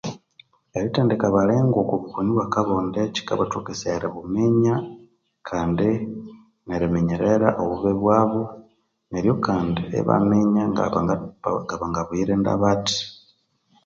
Erithendeka abalengwa okwa bukoni obwa akabonde kyikabathokesaya eribuminya kandi neriminyerera obubi bwabo neryo kandi ibaminya ngabanga buyirinda bathi.